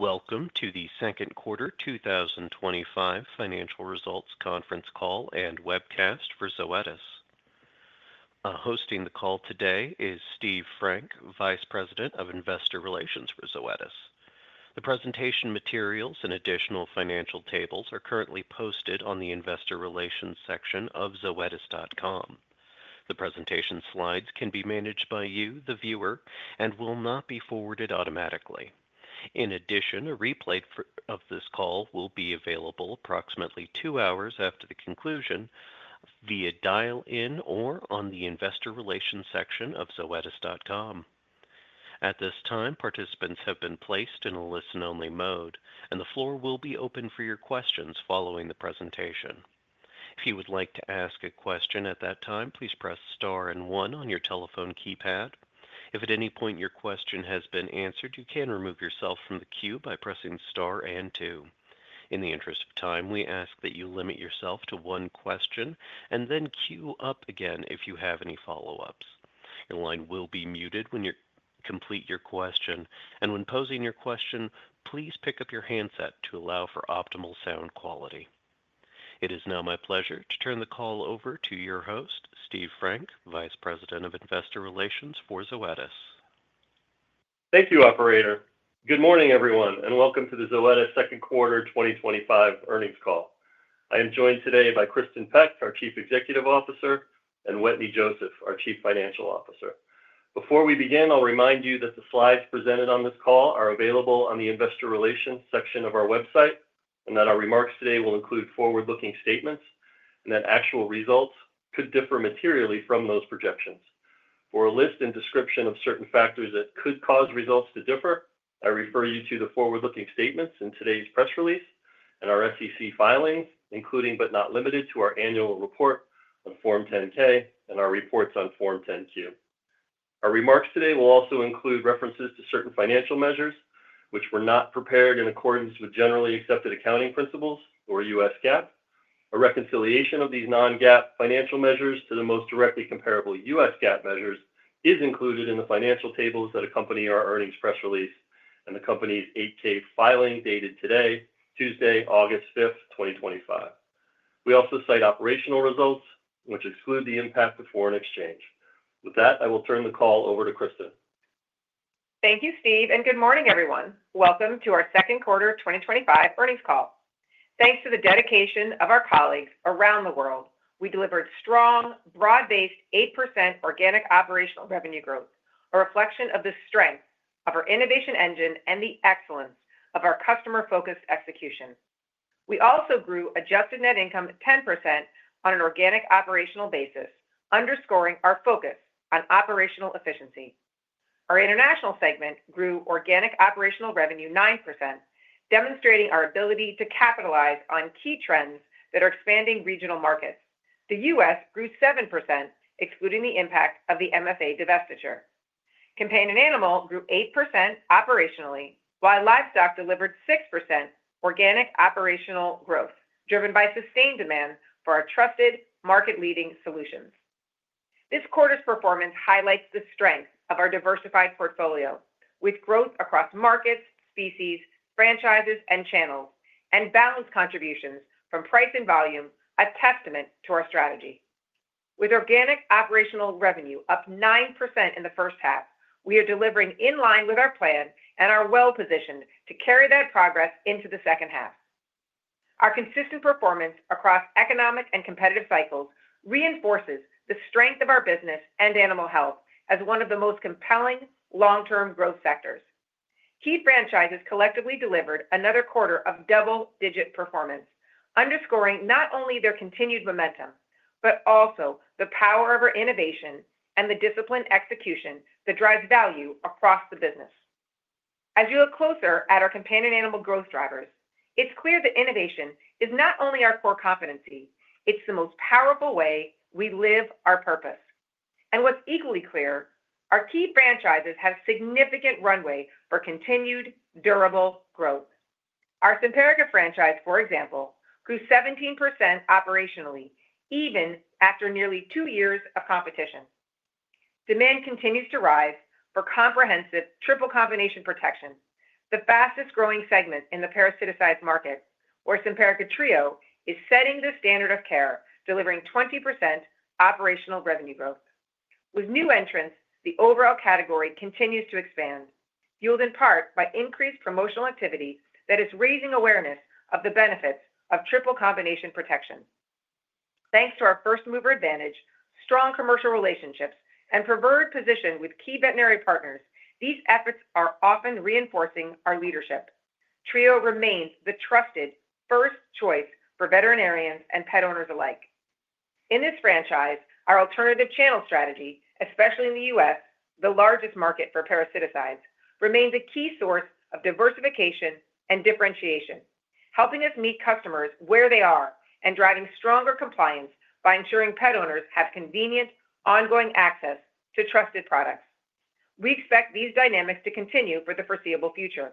Welcome to the Second Quarter 2025 Financial Results conference call and webcast for Zoetis. Hosting the call today is Steve Frank, Vice President of Investor Relations for Zoetis. The presentation materials and additional financial tables are currently posted on the investor relations section of zoetis.com. The presentation slides can be managed by you, the viewer, and will not be forwarded automatically. In addition, a replay of this call will be available approximately two hours after the conclusion via dial-in or on the investor relations section of zoetis.com. At this time, participants have been placed in a listen-only mode and the floor will be open for your questions following the presentation. If you would like to ask a question at that time, please press star and one on your telephone keypad. If at any point your question has been answered, you can remove yourself from the queue by pressing star and two. In the interest of time, we ask that you limit yourself to one question and then queue up again if you have any follow-ups. Your line will be muted when you complete your question and when posing your question, please pick up your handset to allow for optimal sound quality. It is now my pleasure to turn the call over to your host, Steve Frank, Vice President of Investor Relations for Zoetis. Thank you, operator. Good morning, everyone, and welcome to the Zoetis second quarter 2025 earnings call. I am joined today by Kristin Peck, our Chief Executive Officer, and Wetteny Joseph, our Chief Financial Officer. Before we begin, I'll remind you that the slides presented on this call are available on the investor relations section of our website and that our remarks today will include forward-looking statements and that actual results could differ materially from those projections. For a list and description of certain factors that could cause results to differ, I refer you to the forward-looking statements in today's press release and our SEC filings, including but not limited to our annual report on Form 10-K and our reports on Form 10-Q. Our remarks today will also include references to certain financial measures which were not prepared in accordance with Generally Accepted Accounting Principles or U.S. GAAP. A reconciliation of these non-GAAP financial measures to the most directly comparable U.S. GAAP measures is included in the financial tables that accompany our earnings press release and the company's Form 8-K filing dated today, Tuesday, August 5th, 2025. We also cite operational results which exclude the impact of foreign exchange. With that, I will turn the call over to Kristin. Thank you, Steve, and good morning, everyone. Welcome to our second quarter 2025 earnings call. Thanks to the dedication of our colleagues around the world, we delivered strong, broad-based 8% organic operational revenue growth, a reflection of the strength of our innovation engine and the excellence of our customer-focused execution. We also grew adjusted net income 10% on an organic operational basis, underscoring our focus on operational efficiency. Our international segment grew organic operational revenue 9%, demonstrating our ability to capitalize on key trends that are expanding regional markets. The U.S. grew 7% excluding the impact of the MFA divestiture campaign, and animal grew 8% operationally while Livestock delivered 6%. Organic operational growth was driven by sustained demand for our trusted, market-leading solutions. This quarter's performance highlights the strength of our diversified portfolio with growth across markets, species, franchises, and channels, and balanced contributions from price and volume, a testament to our strategy. With organic operational revenue up 9% in the first half, we are delivering in line with our plan and are well positioned to carry that progress into the second half. Our consistent performance across economic and competitive cycles reinforces the strength of our business and animal health as one of the most compelling long-term growth sectors. Key franchises collectively delivered another quarter of double-digit performance, underscoring not only their continued momentum, but also the power of our innovation and the disciplined execution that drives value across the business. As you look closer at our Companion Animal growth drivers, it's clear that innovation is not only our core competency, it's the most powerful way we live our purpose. What's equally clear, our key franchises have significant runway for continued durable growth. Our Simparica franchise, for example, grew 17% operationally. Even after nearly two years of competition, demand continues to rise for comprehensive triple combination protection. The fastest growing segment in the parasiticides market, our Simparica Trio, is setting the standard of care, delivering 20% operational revenue growth with new entrants. The overall category continues to expand, fueled in part by increased promotional activity that is raising awareness of the benefits of triple combination protection. Thanks to our first mover advantage, strong commercial relationships, and preferred position with key veterinary partners, these efforts are often reinforcing. Our leadership trio remains the trusted first choice for veterinarians and pet owners alike in this franchise. Our alternative channel strategy, especially in the U.S., the largest market for parasiticides, remains a key source of diversification and differentiation, helping us meet customers where they are and driving stronger compliance by ensuring pet owners have convenient ongoing access to trusted products. We expect these dynamics to continue for the foreseeable future.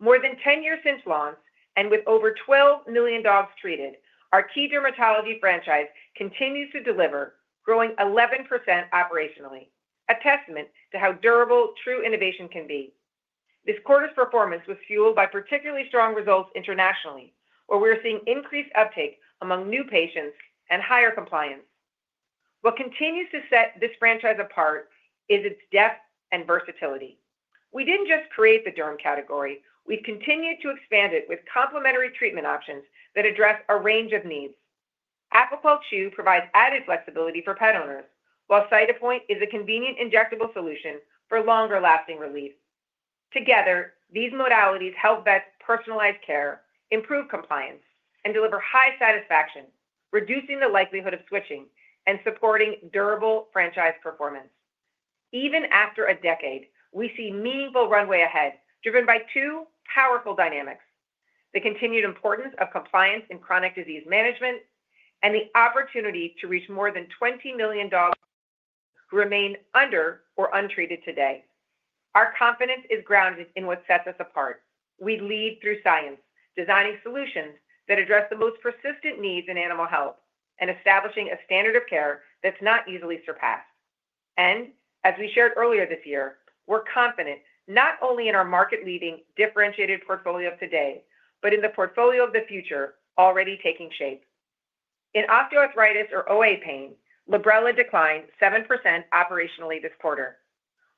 More than 10 years since launch and with over 12 million dogs treated, our Key Dermatology franchise continues to deliver, growing 11% operationally, a testament to how durable true innovation can be. This quarter's performance was fueled by particularly strong results internationally, where we are seeing increased uptake among new patients and higher compliance. What continues to set this franchise apart is its depth and versatility. We didn't just create the derm category, we've continued to expand it with complementary treatment options that address a range of needs. Apoquel Chew provides added flexibility for pet owners, while Cytopoint is a convenient, injectable solution for longer lasting relief. Together, these modalities help vets personalize care, improve compliance, and deliver high satisfaction, reducing the likelihood of switching and supporting durable franchise performance. Even after a decade, we see meaningful runway ahead driven by two powerful dynamics: the continued importance of compliance in chronic disease management and the opportunity to reach more than 20 million dogs who remain under or untreated today. Our confidence is grounded in what sets us apart. We lead through science, designing solutions that address the most persistent needs in animal health and establishing a standard of care that's not easily surpassed. As we shared earlier this year, we're confident not only in our market-leading differentiated portfolio of today, but in the portfolio of the future already taking shape in osteoarthritis, or OA pain. Librela declined 7% operationally this quarter.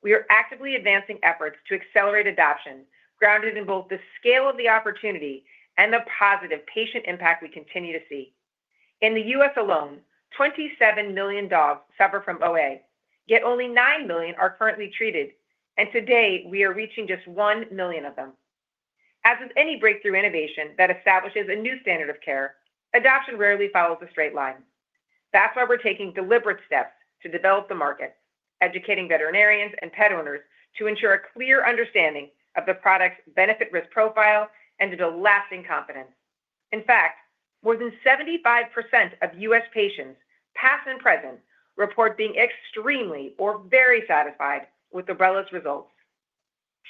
We are actively advancing efforts to accelerate adoption, grounded in both the scale of the opportunity and the positive patient impact we continue to see. In the U.S. alone, 27 million dogs suffer from OA, yet only 9 million are currently treated. Today we are reaching just 1 million of them. As with any breakthrough innovation that establishes a new standard of care, adoption rarely follows a straight line. That is why we are taking deliberate steps to develop the market, educating veterinarians and pet owners to ensure a clear understanding of the product's benefit-risk profile and to build lasting confidence. In fact, more than 75% of U.S. patients' parents report being extremely or very satisfied with Librela's results.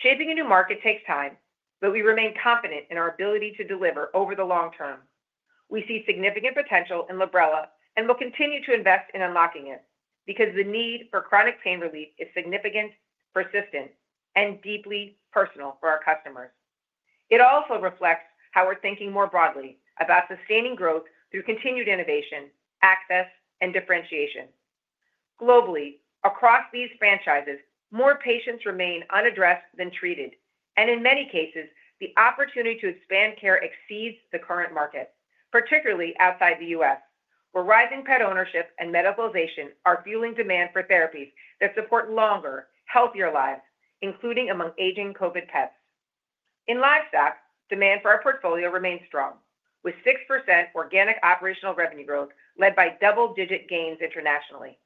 Shaping a new market takes time, but we remain confident in our ability to deliver over the long term. We see significant potential in Librela and will continue to invest in unlocking it because the need for chronic pain relief is significant, persistent, and deeply personal for our customers. It also reflects how we are thinking more broadly about sustaining growth through continued innovation, access, and differentiation globally. Across these franchises, more patients remain unaddressed than treated, and in many cases, the opportunity to expand care exceeds the current market, particularly outside the U.S. where rising pet ownership and medicalization are fueling demand for therapies that support longer, healthier lives, including among aging COVID pets. In Livestock, demand for our portfolio remains strong, with 6% organic operational revenue growth led by double-digit gains internationally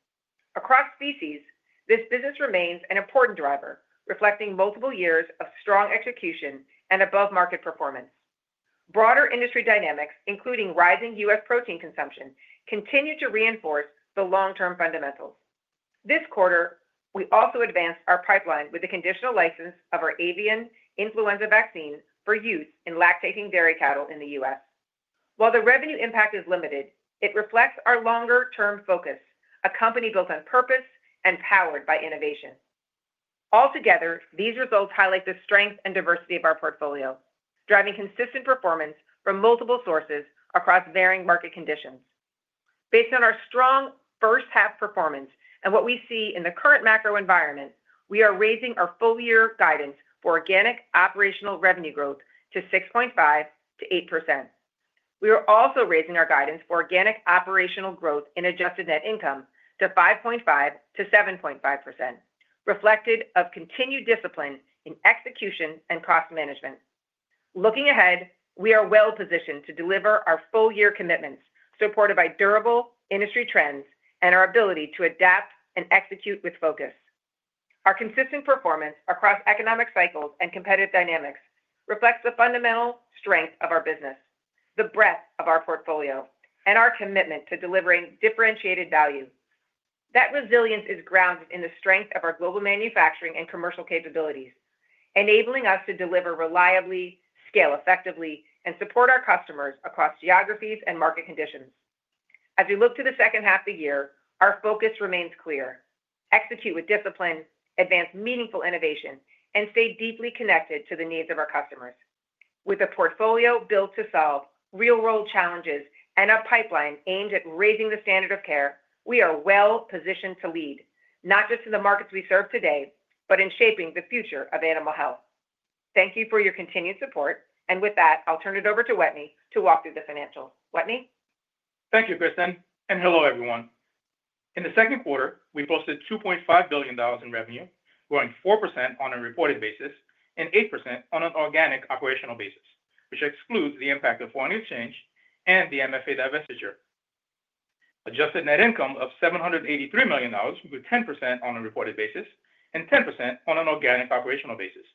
across species. This business remains an important driver, reflecting multiple years of strong execution and above-market performance. Broader industry dynamics, including rising U.S. protein consumption, continue to reinforce the long-term fundamentals. This quarter we also advanced our pipeline with the conditional license of our avian influenza vaccine for use in lactating dairy cattle in the U.S. While the revenue impact is limited, it reflects our longer-term focus, a company built on purpose and powered by innovation. Altogether, these results highlight the strength and diversity of our portfolio, driving consistent performance from multiple sources across varying market conditions. Based on our strong first half performance and what we see in the current macro environment, we are raising our full year guidance for organic operational revenue growth to 6.5%-8%. We are also raising our guidance for organic operational growth in adjusted net income to 5.5%-7.5%, reflective of continued discipline in execution and cost management. Looking ahead, we are well positioned to deliver our full year commitments supported by durable industry trends and our ability to adapt and execute with focus. Our consistent performance across economic cycles and competitive dynamics reflects the fundamental strength of our business, the breadth of our portfolio, and our commitment to delivering differentiated value. That resilience is grounded in the strength of our global manufacturing and commercial capabilities, enabling us to deliver reliably, scale effectively, and support our customers across geographies and market conditions. As we look to the second half of the year, our focus remains clear: execute with discipline, advance meaningful innovation, and stay deeply connected to the needs of our customers. With a portfolio built to solve real world challenges and a pipeline aimed at raising the standard of care, we are well positioned to lead not just in the markets we serve today, but in shaping the future of animal health. Thank you for your continued support, and with that, I'll turn it over to Wetteny to walk through the financials. Wetteny. Thank you Kristin and hello everyone. In the second quarter we posted $2.5 billion in revenue, growing 4% on a reported basis and 8% on an organic operational basis, which excludes the impact of foreign exchange and the MFA divestiture. Adjusted net income of $783 million grew 10% on a reported basis and 10% on an organic operational basis.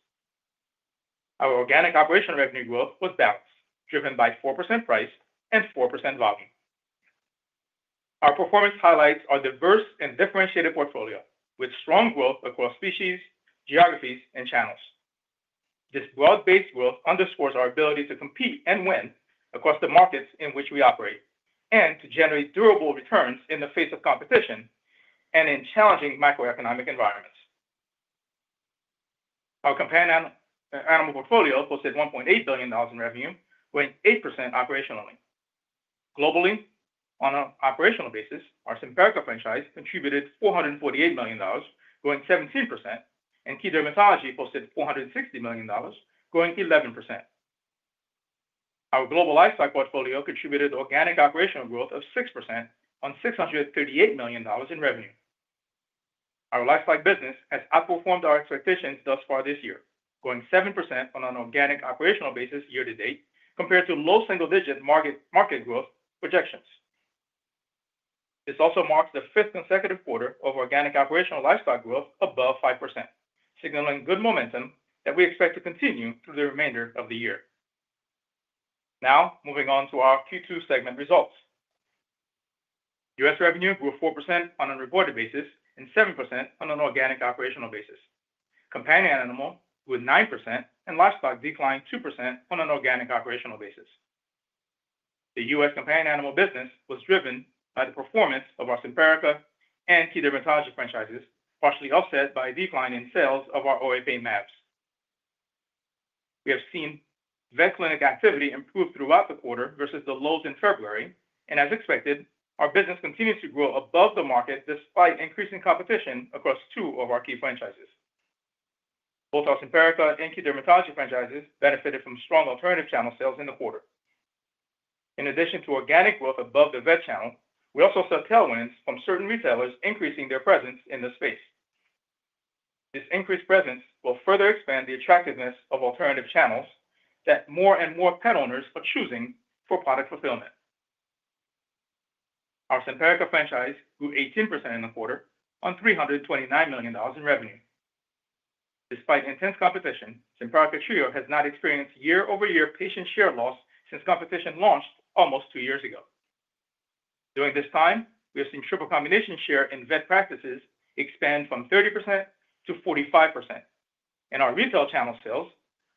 Our organic operational revenue growth was balanced, driven by 4% price and 4% volume. Our performance highlights our diverse and differentiated portfolio with strong growth across species, geographies, and channels. This broad-based growth underscores our ability to compete and win across the markets in which we operate and to generate durable returns in the face of competition and in challenging macroeconomic environments. Our Companion Animal portfolio posted $1.8 billion in revenue, growing 8% operationally globally. On an operational basis, our Simparica franchise contributed $448 million, growing 17%, and Key Dermatology posted $460 million, growing 11%. Our global Livestock portfolio contributed organic operational growth of 6% on $638 million in revenue. Our Livestock business has outperformed our expectations thus far this year, growing 7% on an organic operational basis year to date compared to low single-digit market growth projections. This also marks the fifth consecutive quarter of organic operational Livestock growth above 5%, signaling good momentum that we expect to continue through the remainder of the year. Now moving on to our Q2 segment results, U.S. revenue grew 4% on a reported basis and 7% on an organic operational basis. Companion Animal grew 9% and Livestock declined 2% on an organic operational basis. The U.S. Companion Animal business was driven by the performance of our Simparica and Key Dermatology franchises, partially offset by decline in sales of our OA pain mAbs. We have seen vet clinic activity improve throughout the quarter versus the lows in February, and as expected, our business continues to grow above the market despite increasing competition across two of our key franchises. Both Simparica and Key Dermatology franchises benefited from strong alternative channel sales in the quarter. In addition to organic growth above the vet channel, we also saw tailwinds from certain retailers increasing their presence in the space. This increased presence will further expand the attractiveness of alternative channels that more and more pet owners are choosing for product fulfillment. Our Simparica franchise grew 18% in the quarter on $329 million in revenue. Despite intense competition, Simparica Trio has not experienced year-over-year patient share loss since competition launched almost two years ago. During this time we have seen triple combination share in vet practices expand from 30% to 45% and our retail channel sales,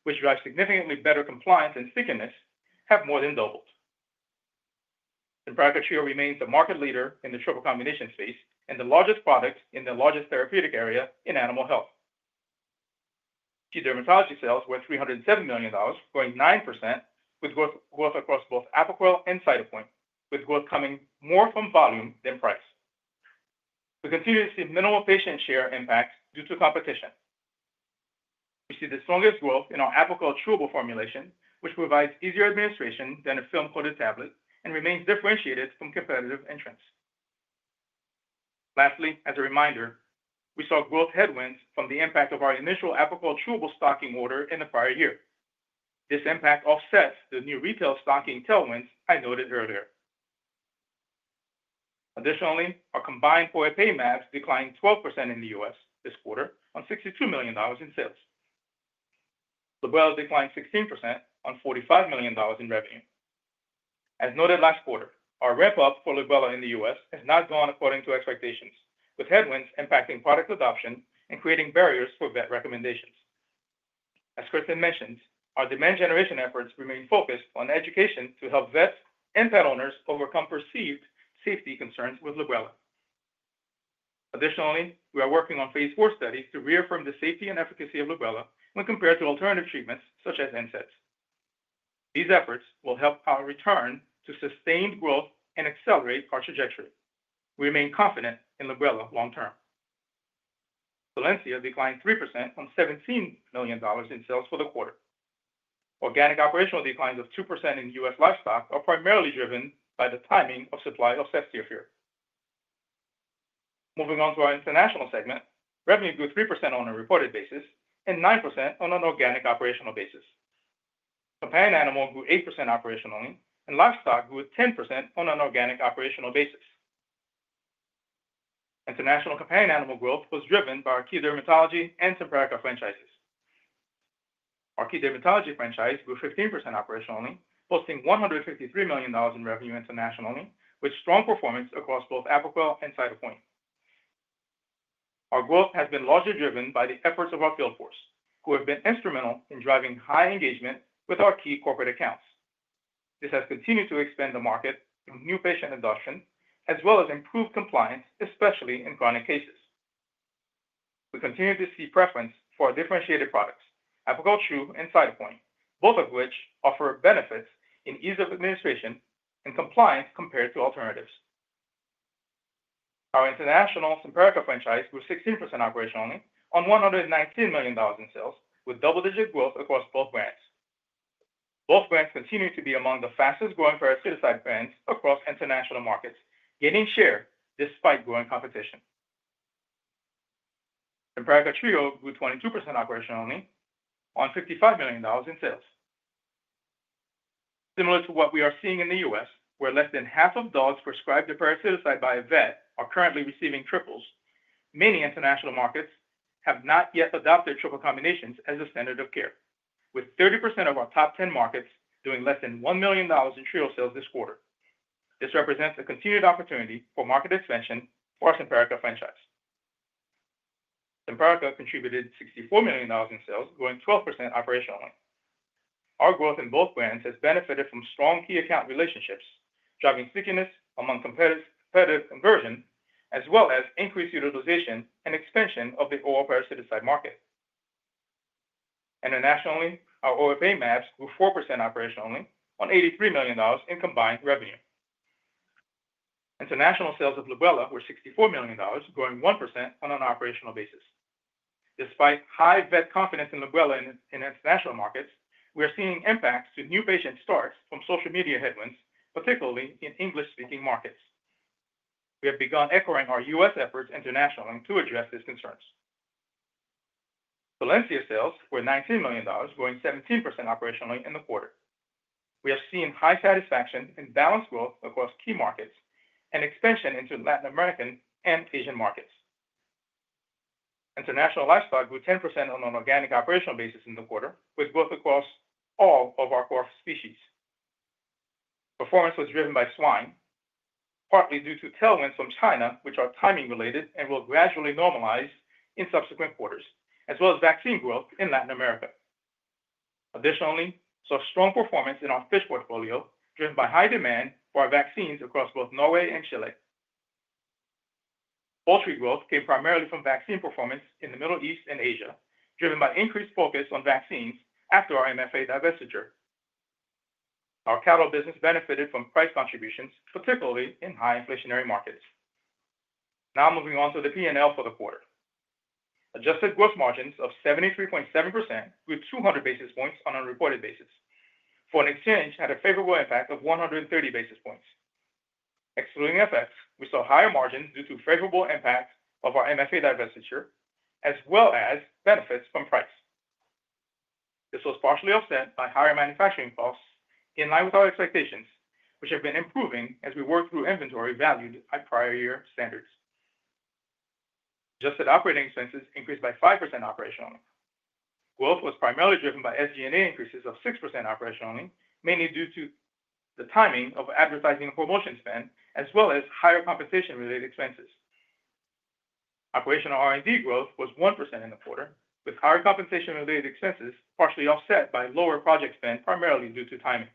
which drive significantly better compliance and stickiness, have more than doubled. Simparica Trio remains the market leader in the triple combination space and the largest product in the largest therapeutic area in animal health. Key Dermatology sales were $307 million, growing 9% with growth across both Apoquel and Cytopoint. With growth coming more from volume than price, we continue to see minimal patient share impact due to competition. We see the strongest growth in our Apoquel Chewable formulation, which provides easier administration than a film-coated tablet and remains differentiated from competitive entrants. Lastly, as a reminder, we saw growth headwinds from the impact of our initial Apoquel Chewable stocking order in the prior year. This impact offset the new retail stocking tailwinds noted earlier. Additionally, our combined OA franchise declined 12% in the U.S. this quarter on $62 million in sales. Librela declined 16% on $45 million in revenue. As noted last quarter, our ramp up for Librela in the U.S. has not gone according to expectations with headwinds impacting product adoption and creating barriers for vet recommendations. As Kristin mentioned, our demand generation efforts remain focused on education to help vets and pet owners overcome perceived safety concerns with Librela. Additionally, we are working on phase four studies to reaffirm the safety and efficacy of Librela when compared to alternative treatments such as NSAIDs. These efforts will help our return to sustained growth and accelerate our trajectory. We remain confident in Librela long term. Solensia declined 3% on $17 million in sales for the quarter. Organic operational declines of 2% in U.S. Livestock are primarily driven by the timing of supply of ceftiofur. Moving on to our international segment, revenue grew 3% on a reported basis and 9% on an organic operational basis. Companion Animal grew 8% operationally and Livestock grew 10% on an organic operational basis. International Companion Animal growth was driven by our Key Dermatology and Simparica franchises. Our Key Dermatology franchise grew 15% operationally, posting $153 million in revenue internationally with strong performance across both Apoquel and Cytopoint. Our growth has been largely driven by the efforts of our field force, who have been instrumental in driving high engagement with our key corporate accounts. This has continued to expand the market through new patient adoption as well as improved compliance, especially in chronic cases. We continue to see preference for differentiated products Apoquel Chew and Cytopoint, both of which offer benefits in ease of administration and compliance compared to alternatives. Our international Simparica franchise grew 16% operationally on $119 million in sales with double-digit growth across both brands. Both brands continue to be among the fastest-growing parasiticide brands across international markets, gaining share despite growing competition. Simparica Trio grew 22% operationally on $55 million in sales, similar to what we are seeing in the U.S. where less than half of dogs prescribed a parasiticide by a vet are currently receiving triples. Many international markets have not yet adopted trio combinations as a standard of care, with 30% of our top 10 markets doing less than $1 million in Trio sales this quarter. This represents a continued opportunity for market expansion for our Simparica franchise. Simparica contributed $64 million in sales, growing 12% operationally. Our growth in both brands has benefited from strong key account relationships, driving stickiness among competitive conversion as well as increased utilization and expansion of the oral parasiticide market. Internationally, our OA pain mAbs grew 4% operationally on $83 million in combined revenue. International sales of Librela were $64 million, growing 1% on an operational basis. Despite high vet confidence in Librela in international markets, we are seeing impacts to new patient starts from social media headwinds, particularly in English-speaking markets. We have begun echoing our U.S. efforts internationally to address these concerns. Solensia sales were $19 million, growing 17% operationally in the quarter. We have seen high satisfaction and balanced growth across key markets and expansion into Latin American and Asian markets. International Livestock grew 10% on an organic operational basis in the quarter with growth across all of our core species. Performance was driven by swine partly due to tailwinds from China, which are timing related and will gradually normalize in subsequent quarters, as well as vaccine growth in Latin America. Additionally, saw strong performance in our fish portfolio driven by high demand for our vaccines across both Norway and Chile. Poultry growth came primarily from vaccine performance in the Middle East and Asia, driven by increased focus on vaccines. After our MFA divestiture, our cattle business benefited from price contributions, particularly in high inflationary markets. Now moving on to the P&L for the quarter, adjusted gross margins of 73.7% with 200 basis points on a reported basis. Foreign exchange had a favorable impact of 130 basis points. Excluding FX, we saw higher margins due to favorable impact of our MFA divestiture as well as benefits from price. This was partially offset by higher manufacturing costs in line with our expectations, which have been improving as we work through inventory valued at prior year standards. Adjusted operating expenses increased by 5%. Operational growth was primarily driven by SG&A increases of 6% operationally, mainly due to the timing of advertising, promotion spend, as well as higher compensation related expenses. Operational R&D growth was 1% in the quarter, with higher compensation related expenses partially offset by lower project spend, primarily due to timing.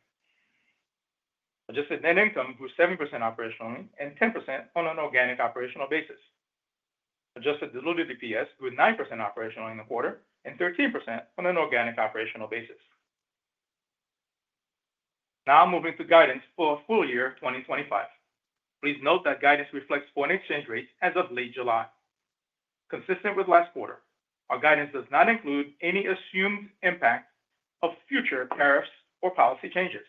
Adjusted net income grew 7% operationally and 10% on an organic operational basis. Adjusted diluted EPS grew 9% operational in the quarter and 13% on an organic operational basis. Now moving to guidance for full year 2025. Please note that guidance reflects foreign exchange rates as of late July. Consistent with last quarter, our guidance does not include any assumed impact of future tariffs or policy changes.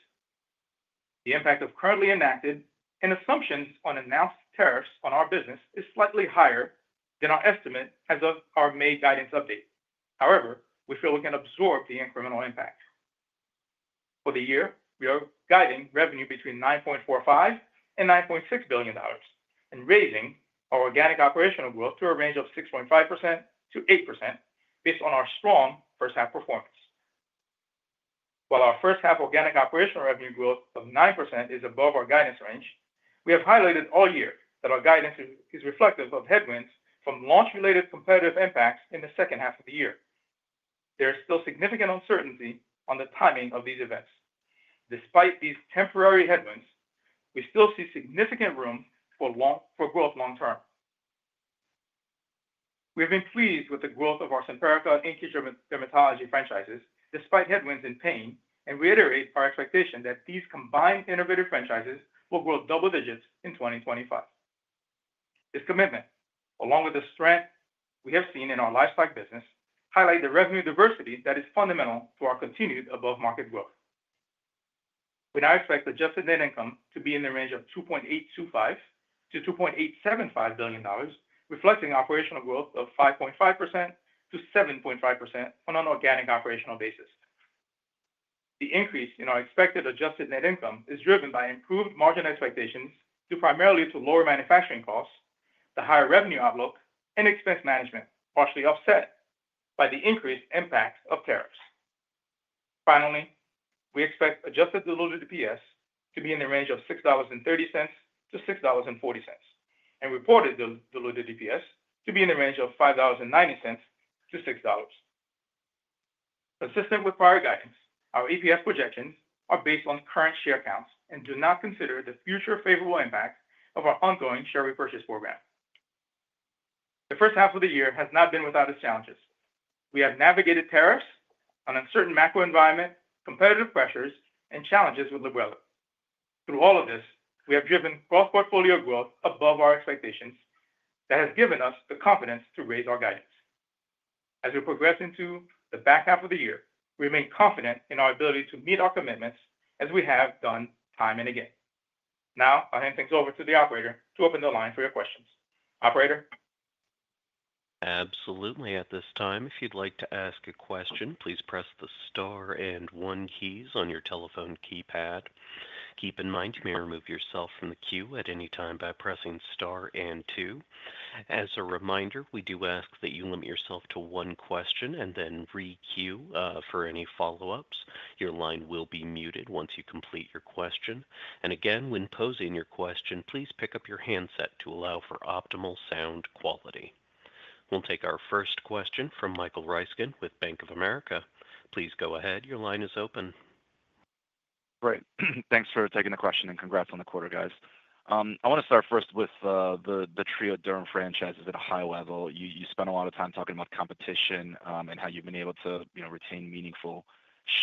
The impact of currently enacted and assumptions on announced tariffs on our business is slightly higher than our estimate as of our May guidance update. However, we feel we can absorb the incremental impact for the year. We are guiding revenue between $9.45 billion and $9.6 billion and raising our organic operational growth to a range of 6.5%-8% based on our strong first half performance. While our first half organic operational revenue growth of 9% is above our guidance range, we have highlighted all year that our guidance is reflective of headwinds from launch related competitive impacts in the second half of the year. There is still significant uncertainty on the timing of these events. Despite these temporary headwinds, we still see significant room for growth long term. We have been pleased with the growth of our Simparica and Key Dermatology franchises despite headwinds in pain and reiterate our expectation that these combined innovative franchises will grow double digits in 2025. This commitment, along with the strength we have seen in our Livestock business, highlights the revenue diversity that is fundamental for our continued above market growth. We now expect adjusted net income to be in the range of $2.825 billion-$2.875 billion, reflecting operational growth of 5.5%-7.5% on an organic operational basis. The increase in our expected adjusted net income is driven by improved margin expectations due primarily to lower manufacturing costs, the higher revenue outlook, and expense management, partially offset by the increased impact of tariffs. Finally, we expect adjusted diluted EPS to be in the range of $6.30-$6.40 and reported diluted EPS to be in the range of $5.90-$6.00, consistent with prior guidance. Our EPS projections are based on current share counts and do not consider the future favorable impact of our ongoing share repurchase program. The first half of the year has not been without its challenges. We have navigated tariffs, an uncertain macroeconomic environment, competitive pressures, and challenges with Librela. Through all of this, we have driven cross-portfolio growth above our expectations. That has given us the confidence to raise our guidance as we progress into the back half of the year. We remain confident in our ability to meet our commitments as we have done time and again. Now I'll hand things over to the operator to open the line for your questions. Absolutely. At this time, if you'd like to ask a question, please press the star and one keys on your telephone keypad. Keep in mind you may remove yourself from the queue at any time by pressing star and two. As a reminder, we do ask that you limit yourself to one question and then requeue for any follow ups. Your line will be muted once you complete your question. Again, when posing your question, please pick up your handset to allow for optimal sound quality. We'll take our first question from Michael Ryskin with Bank of America. Please go ahead. Your line is open. Great. Thanks for taking the question and congrats on the quarter, guys. I want to start first with the dermatology franchises at a high level. You spent a lot of time talking about competition and how you've been able to retain meaningful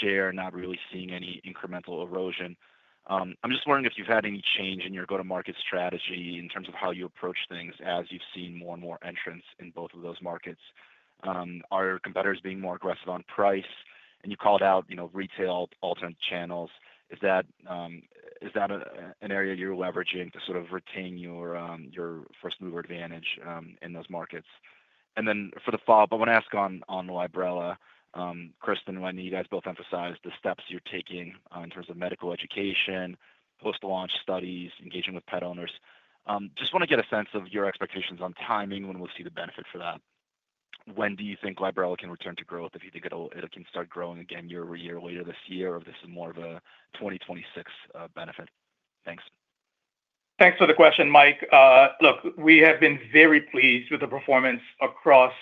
share, not really seeing any incremental erosion. I'm just wondering if you've had any change in your go-to-market strategy in terms of how you approach things as you've seen more and more entrants in both of those markets. Are your competitors being more aggressive on price, and you called out retail alternate channels. Is that an area you're leveraging to sort of retain your first mover advantage in those markets? For the follow-up, I want to ask on Librela. Kristin and Wetteny, you guys both emphasize the steps you're taking in terms of medical education, post-launch studies, engaging with pet owners. Just want to get a sense of your expectations on timing, when we'll see the benefit for that. When do you think Librela can return to growth? If you think it can start growing again year-over-year later this year, or if this is more of a 2026 benefit? Thanks. Thanks for the question, Mike. Look, we have been very pleased with the performance across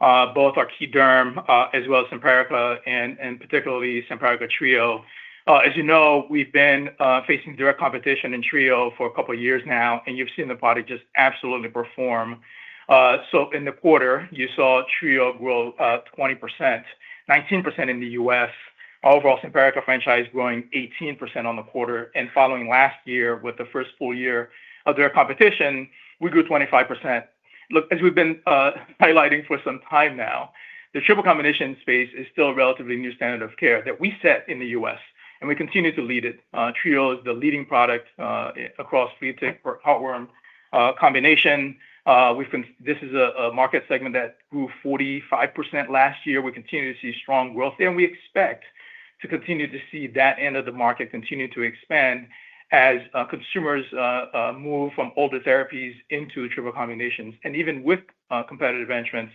both our Key Derm as well as Simparica and particularly Simparica Trio. As you know, we've been facing direct competition in Trio for a couple years now and you've seen the product just absolutely perform. In the quarter you saw Trio grow 20%, 19% in the U.S., overall Simparica franchise growing 18% on the quarter and following last year with the first full year of their competition, we grew 25%. As we've been highlighting for some time now, the triple combination space is still a relatively new standard of care that we set in the U.S. and we continue to lead it. Trio is the leading product across flea, tick, for heartworm combination. This is a market segment that grew 45% last year. We continue to see strong growth and we expect to continue to see that end of the market continue to expand as consumers move from older therapies into triple combinations. Even with competitive entrants,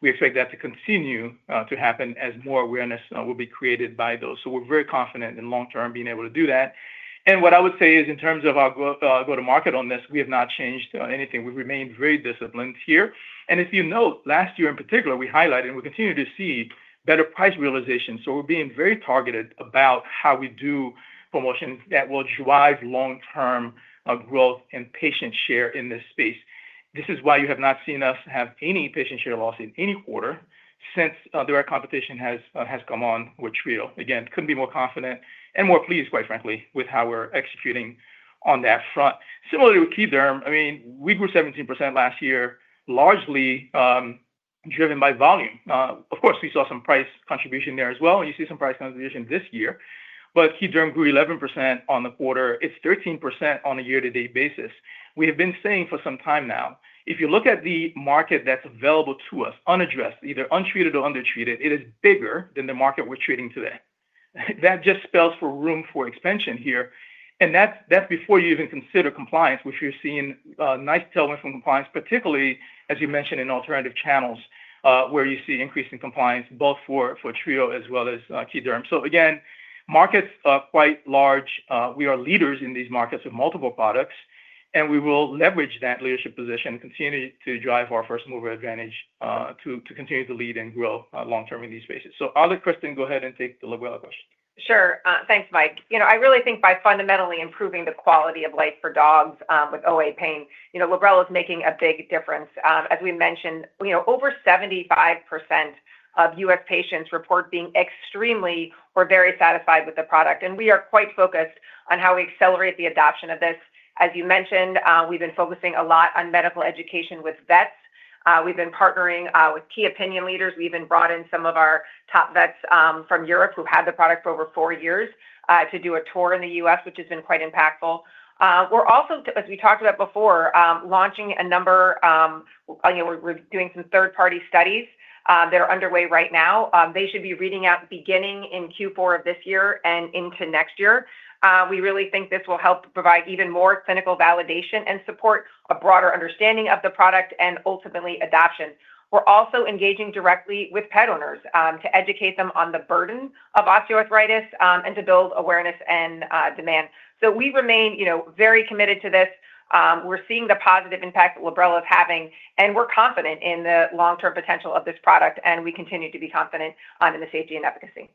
we expect that to continue to happen as more awareness will be created by those. We're very confident in long term being able to do that. What I would say is in terms of our growth go to market on this, we have not changed anything. We remain very disciplined here. As you know, last year in particular we highlighted and we continue to see better price realization. We're being very targeted about how we do promotion that will drive long term growth and patient share in this space. This is why you have not seen us have any patient share loss in any quarter since direct competition has come on with Trio. Again, couldn't be more confident and more pleased quite frankly with how we're executing on that front. Similarly with Key Derm, I mean we grew 17% last year, largely driven by volume. Of course we saw some price contribution there as well and you see some price consolidation this year. Key Derm grew 11% on the quarter, it's 13% on a year to date basis. We have been saying for some time now, if you look at the market that's available to us unaddressed, either untreated or undertreated, it is bigger than the market we're treating today. That just spells for room for expansion here. That's before you even consider compliance which you're seeing nice tailwind from compliance, particularly as you mentioned in alternative channels where you see increase in compliance both for Trio as well as Key Derm. Again, markets quite large. We are leaders in these markets with multiple products and we will leverage that leadership position, continue to drive our first mover advantage to continue to lead and grow long term in these spaces. I'll let Kristin, go ahead and take the Librela. Sure. Thanks, Mike. I really think by fundamentally improving the quality of life for dogs with OA pain, Librela is making a big difference. As we mentioned, over 75% of U.S. patients report being extremely or very satisfied with the product, and we are quite focused on how we accelerate the adoption of this. As you mentioned, we've been focusing a lot on medical education with vets. We've been partnering with key opinion leaders. We even brought in some of our top vets from Europe who've had the product for over four years to do a tour in the U.S., which has been quite impactful. We're also, as we talked about before, launching a number. We're doing some third-party studies. They're underway right now. They should be reading out beginning in Q4 of this year and into next year. We really think this will help provide even more clinical validation and support, a broader understanding of the product, and ultimately adoption. We're also engaging directly with pet owners to educate them on the burden of osteoarthritis and to build awareness and demand. We remain very committed to this. We're seeing the positive impact that Librela is having, and we're confident in the long-term potential of this product, and we continue to be confident in the safety and efficacy.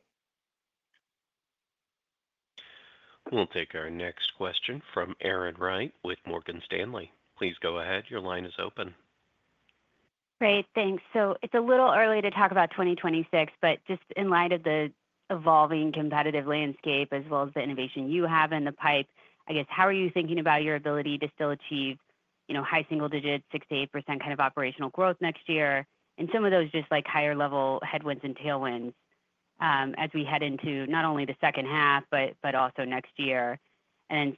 We'll take our next question from Erin Wright with Morgan Stanley. Please go ahead. Your line is open. Great, thanks. It's a little early to talk. About 2026, just in light of the evolving competitive landscape as well as the innovation you have in the pipe, I guess how are you thinking about your ability to still achieve high single digit, 6%-8% kind of operational growth next year and some of those just like higher level headwinds and tailwinds as we head into not only the second half but also next year.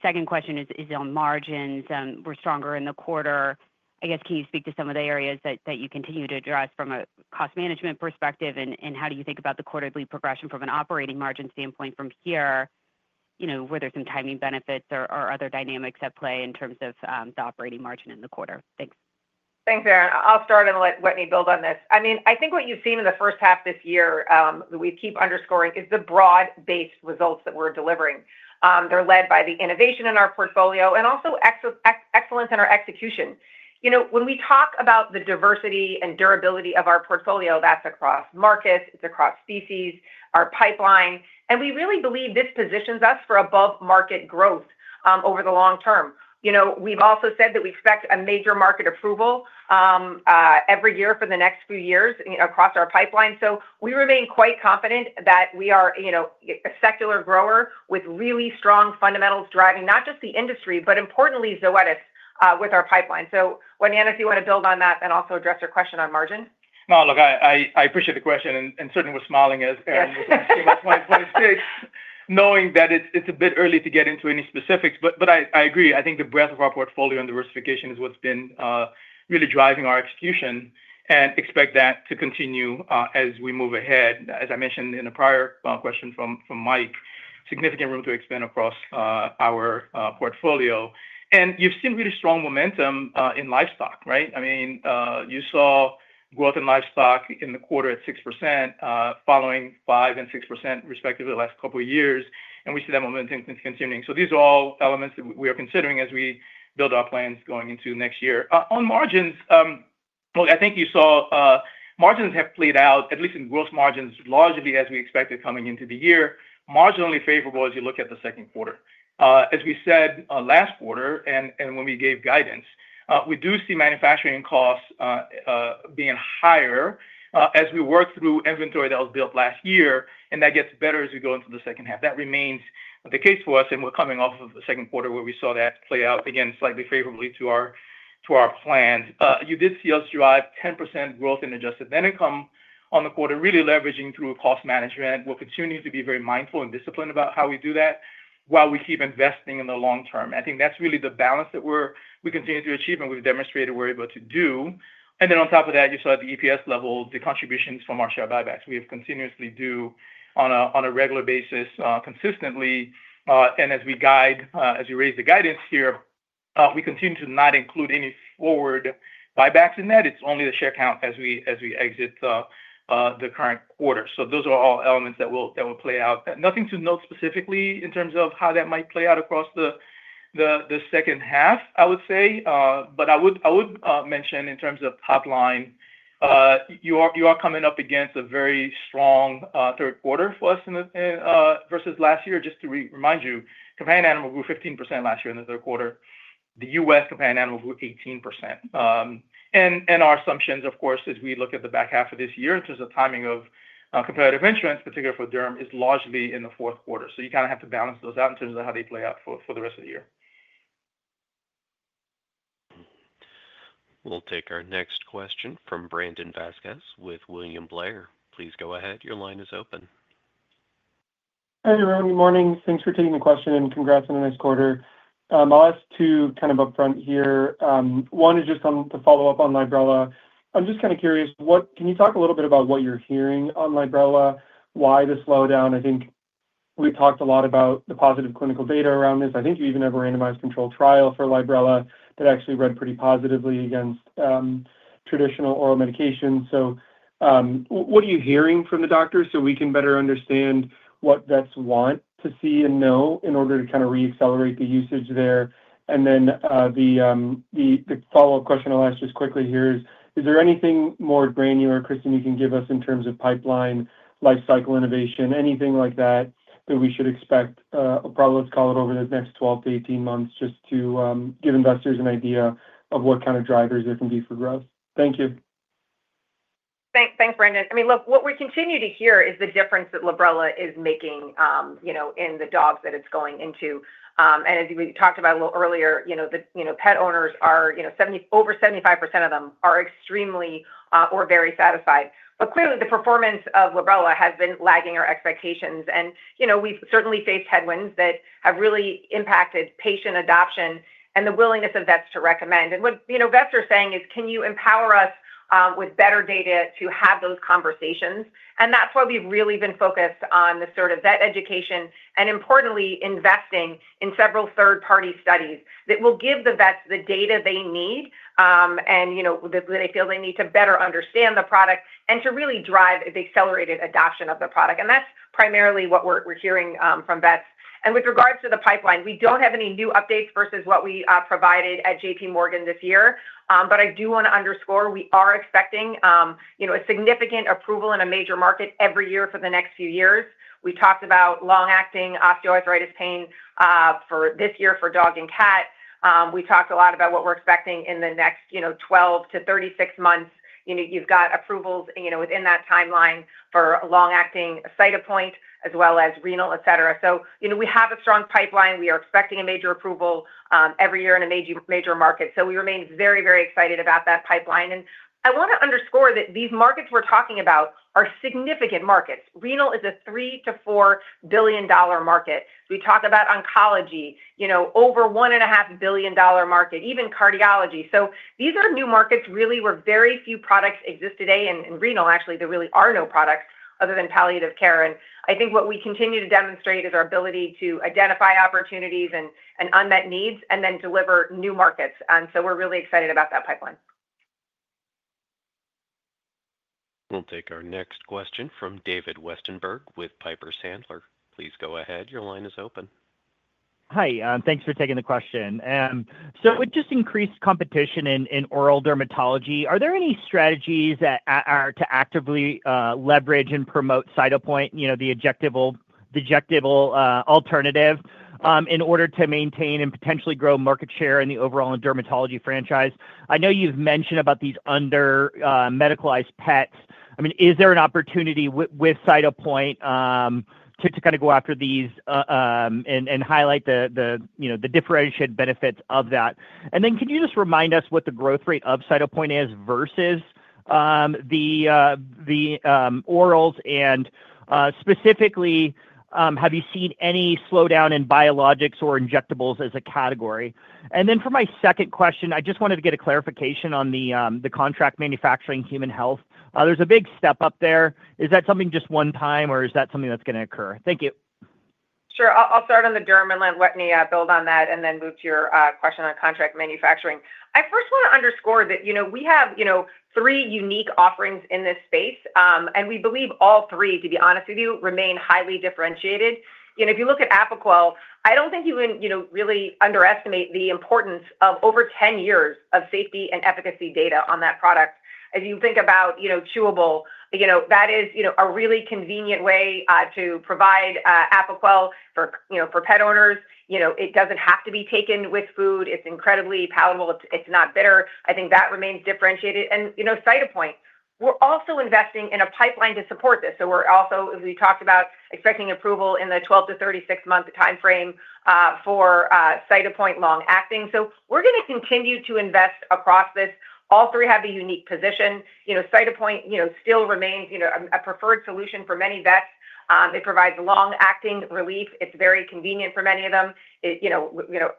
Second question is on margins were stronger in the quarter, I guess can you speak to some of the areas. That you continue to address from a cost management perspective, how do you think about the quarterly progression from an operating margin standpoint from here, where there's some timing benefits or other dynamics at play in terms of the operating margin in the quarter. Thanks. Thanks, Erin. I'll start and let Wetteny build on this. I think what you've seen in the first half this year that we keep underscoring is the broad-based results that we're delivering. They're led by the innovation in our portfolio and also excellence in our execution. When we talk about the diversity and durability of our portfolio, that's across markets, it's across species, our pipeline, and we really believe this positions us for above-market growth over the long term. We've also said that we expect a major market approval every year for the next few years across our pipeline. We remain quite confident that we are a secular grower with really strong fundamentals driving not just the industry, but importantly Zoetis, with our pipeline. Wetteny, if you want to build on that and also address your question on margin. No, look, I appreciate the question and certainly we're smiling as knowing that it's a bit early to get into any specifics, but I agree. I think the breadth of our portfolio and diversification is what's been really driving our execution and expect that to continue as we move ahead. As I mentioned in a prior question from Mike, significant room to expand across our portfolio and you've seen really strong momentum in Livestock, right? I mean you saw growth in Livestock in the quarter at 6% following 5% and 6% respectively the last couple of years. We see that momentum continuing, so these are all elements that we are considering as we build our plans going into next year. On margins, I think you saw margins have played out at least in gross margins, largely as we expected coming into the year, marginally favorable. As you look at the second quarter, as we said last quarter and when we gave guidance, we do see manufacturing costs being higher as we work through inventory that was built last year and that gets better as we go into the second half. That remains the case for us. We're coming off of the second quarter where we saw that play out again slightly favorably to our plan. You did see U.S. drive 10% growth in adjusted net income on the quarter, really leveraging through cost management. We'll continue to be very mindful and disciplined about how we do that while we keep investing in the long term. I think that's really the balance that we continue to achieve and we've demonstrated we're able to do. On top of that, you saw at the EPS level the contributions from our share buybacks we have continuously done on a regular basis consistently. As we guide, as you raise the guidance here, we continue to not include any forward buybacks in that. It's only the share count as we exit the current. Those are all elements that will play out. Nothing to note specifically in terms of how that might play out across the second half, I would say. I would mention in terms of pipeline, you are coming up against a very strong third quarter for us versus last year. Just to remind you, Companion Animal grew 15% last year. In the third quarter, the U.S. Companion Animal grew 18%. Our assumptions, of course, as we look at the back half of this year in terms of timing of competitive insurance, particular for Derm, is largely in the fourth quarter. You kind of have to balance those out in terms of how they play out for the rest of the year. We'll take our next question from Brandon Vasquez with William Blair. Please go ahead. Your line is open. Hi everyone. Good morning. Thanks for taking the question and congrats on a nice quarter. I'll ask two kind of upfront here. One is just to follow up on Librela. I'm just kind of curious. Can you talk a little bit about what you're hearing on Librela? Why the slowdown? I think we talked a lot about the positive clinical data around this. I think you even have a randomized control trial for Librela that actually read pretty positively against traditional oral medications. What are you hearing from the doctors so we can better understand what vets want to see and know in order to accelerate the usage there? The follow up question I'll ask quickly here is, is there anything more brand new or Kristin, you can give us in terms of pipeline, life cycle innovation, anything like that that we should expect? Probably, let's call it over the next 12-18 months just to give investors an idea of what kind of drivers there can be for growth. Thank you. Thanks, Brandon. I mean, look, what we continue to hear is the difference that Librela is making in the dogs that it's going into. As we talked about a little earlier, pet owners are, you know, 70%, over 75% of them are extremely or very satisfied. Clearly, the performance of Librela has been lagging our expectations. We've certainly faced headwinds that have really impacted patient adoption and the willingness of vets to recommend. What vets are saying is, can you empower us with better data to have those conversations? That's why we've really been focused on the sort of vet education and, importantly, investing in several third-party studies that will give the vets the data they need and they feel they need to better understand the product and to really drive the accelerated adoption of the product. That's primarily what we're hearing from vets. With regards to the pipeline, we don't have any new updates versus what we provided at JPMorgan this year. I do want to underscore, we are expecting a significant approval in a major market every year for the next few years. We talked about long-acting osteoarthritis pain for this year for dog and cat. We talked a lot about what we're expecting in the next 12-36 months. You've got approvals within that timeline for long-acting Cytopoint as well as renal, et cetera. We have a strong pipeline. We are expecting a major approval every year in a major, major market. We remain very, very excited about that pipeline. I want to underscore that these markets we're talking about are significant markets. Renal is a $3 billion-$4 billion market. We talk about oncology, over $1.5 billion market, even cardiology. These are new markets really where very few products exist today. In renal, actually, there really are no products other than palliative care. I think what we continue to demonstrate is our ability to identify opportunities and unmet needs and then deliver new markets. We're really excited about that pipeline. We'll take our next question from David Westenberg with Piper Sandler. Please go ahead. Your line is open. Hi. Thanks for taking the question. It just increased competition in oral dermatology. Are there any strategies that are to actively leverage and promote Cytopoint? The objective will be injectable alternative in order to maintain and potentially grow market share in the overall dermatology franchise. I know you've mentioned about these under medicalized pets. Is there an opportunity with Cytopoint to kind of go after these and highlight the differentiated benefits of that? Could you just remind us what the growth rate of Cytopoint is versus the orals? Specifically, have you seen any slowdown in biologics or injectables as a category? For my second question, I just wanted to get a clarification on the contract manufacturing, human health. There's a big step up there. Is that something just one time or is that something that's going to occur? Thank you. Sure. I'll start on the derm and let me build on that and then move to your question on contract manufacturing. I first want to underscore that we have three unique offerings in this space and we believe all three, to be honest with you, remain highly differentiated. If you look at Apoquel, I don't think you really underestimate the importance of over 10 years of safety and efficacy data on that product. As you think about chewable, that is a really convenient way to provide Apoquel for pet owners. It doesn't have to be taken with food. It's incredibly palatable. It's not bitter. I think that remains differentiated and Cytopoint. We're also investing in a pipeline to support this. We're also, as we talked about, expecting approval in the 12-36 month time frame for Cytopoint long acting. We're going to continue to invest across this. All three have a unique position. Cytopoint still remains a preferred solution for many vets. It provides long acting relief. It's very convenient for many of them. It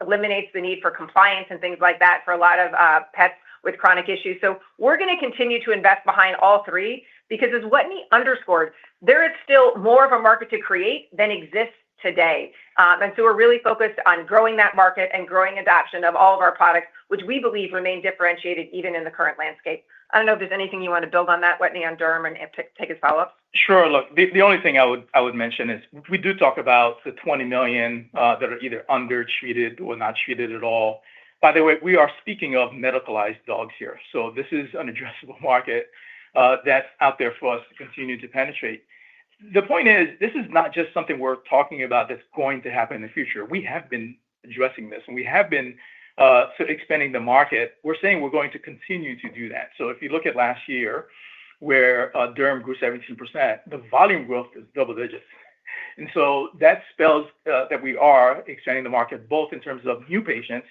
eliminates the need for compliance and things like that for a lot of pets with chronic issues. We're going to continue to invest behind all three because as Wetteny underscored, there is still more of a market to create than exists today. We're really focused on growing that market and growing adoption of all of our products which we believe remain differentiated even in the current landscape. I don't know if there's anything you want to build on that Wetteny on derm and take his follow up. Sure. Look, the only thing I would mention is we do talk about the $20 million that are either undertreated or not treated at all. By the way, we are speaking of medicalized dogs here. This is an addressable market that's out there for us to continue to penetrate. The point is this is not just something we're talking about that's going to happen in the future. We have been addressing this and we have been expanding the market. We're saying we're going to continue to do that. If you look at last year where dermatology grew 17%, the volume growth is double digits. That spells that we are extending the market both in terms of new patients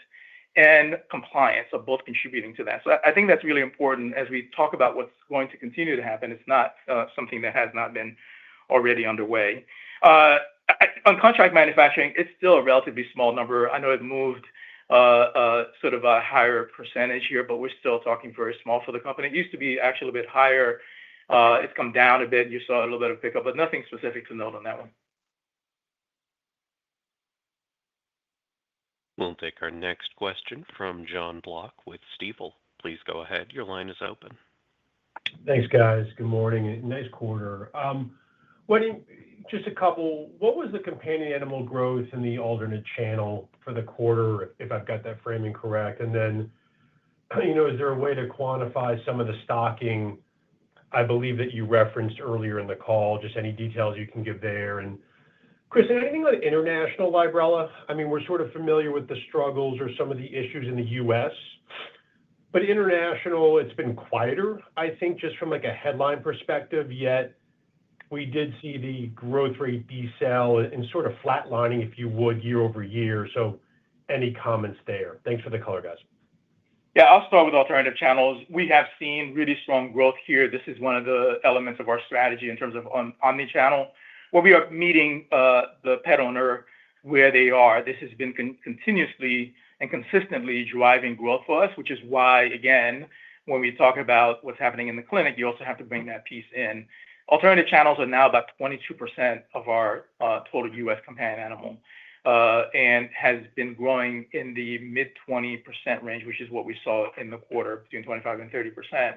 and compliance are both contributing to that. I think that's really important as we talk about what's going to continue to happen. It's not something that has not been already underway. On contract manufacturing, it's still a relatively small number. I know it moved sort of a higher percentage here, but we're still talking very small for the company. It used to be actually a bit higher. It's come down a bit. You saw a little bit of pickup, but nothing specific to note on that one. We'll take our next question from Jon Block with Stifel. Please go ahead. Your line is open. Thanks, guys. Good morning. Nice quarter. Just a couple. What was the Companion Animal growth in the alternate channel for the quarter, if I've got that framing correct, and then is there a way to quantify some of the stocking? I believe that you referenced earlier in the call. Just any details you can give there. Chris, anything on international Librela? We're sort of familiar with the struggles or some of the issues in the U.S., but internationally it's been quieter, I think, just from like a headline perspective. Yet we did see the growth rate. Decel and sort of flatlining, if you would, year-over-year. Any comments there? Thanks for the color, guys. Yeah, I'll start with alternative channels. We have seen really strong growth here. This is one of the elements of our strategy in terms of omnichannel where we are meeting the pet owner where they are. This has been continuously and consistently driving growth for us, which is why again when we talk about what's happening in the clinic, you also have to bring that piece in. Alternative channels are now about 22% of our total U.S. Companion Animal and has been growing in the mid-20% range, which is what we saw in the quarter between 25% and 30%.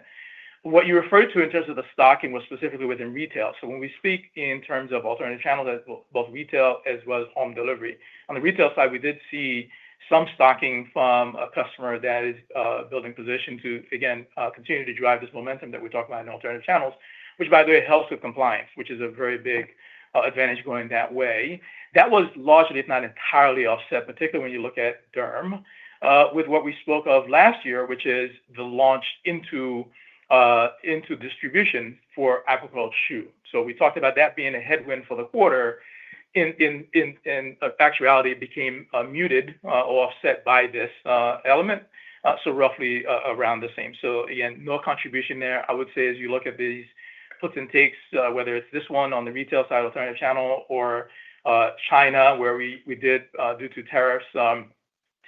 What you referred to in terms of the stocking was specifically within retail. When we speak in terms of alternative channel, both retail as well as home delivery, on the retail side, we did see some stocking from a customer that is building position to again continue to drive this momentum that we talked about in alternative channels, which by the way helps with compliance, which is a very big advantage going that way. That was largely, if not entirely, offset, particularly when you look at Derm with what we spoke of last year, which is the launch into distribution for Apoquel Chew. We talked about that being a headwind for the quarter. In fact, reality became muted, offset by this element. So roughly around the same. Again, no contribution there. I would say as you look at these puts and takes, whether it's this one on the retail side, alternative channel, or China, where we did, due to tariffs,